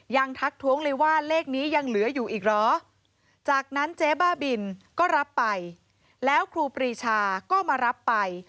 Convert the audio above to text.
ทักท้วงเลยว่าเลขนี้ยังเหลืออยู่อีกเหรอจากนั้นเจ๊บ้าบินก็รับไปแล้วครูปรีชาก็มารับไป